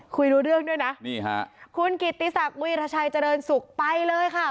คุยรู้เรื่องด้วยนะนี่ฮะคุณกิติศักดิราชัยเจริญสุขไปเลยค่ะ